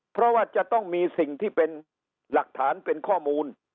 เพราะว่าจะต้องมีสิ่งที่เป็นหลักฐานเป็นข้อมูล